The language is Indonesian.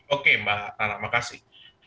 oke mbak terima kasih